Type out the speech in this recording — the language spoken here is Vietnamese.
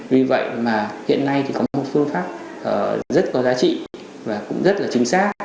vì vậy mà hiện nay thì có một phương pháp rất có giá trị và cũng rất là chính xác